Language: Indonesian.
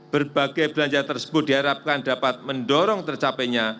berbagai belanja tersebut diharapkan dapat mendorong tercapainya